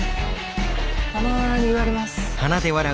たまに言われます。